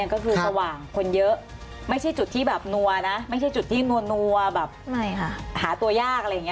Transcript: ก็คือสว่างคนเยอะไม่ใช่จุดที่แบบนัวนะไม่ใช่จุดที่นัวแบบหาตัวยากอะไรอย่างนี้